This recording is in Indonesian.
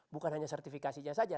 bukan hanya sertifikasinya saja